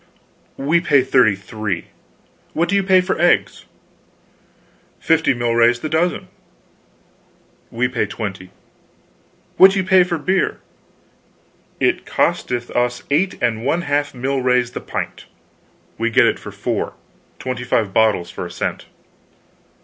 "We pay thirty three. What do you pay for eggs?" "Fifty milrays the dozen." "We pay twenty. What do you pay for beer?" "It costeth us eight and one half milrays the pint." "We get it for four; twenty five bottles for a cent.